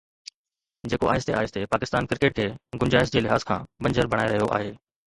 جيڪو آهستي آهستي پاڪستان ڪرڪيٽ کي گنجائش جي لحاظ کان بنجر بڻائي رهيو آهي.